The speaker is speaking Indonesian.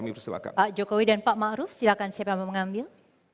pak jokowi dan pak ma'ruf silahkan siapa yang mau mengambil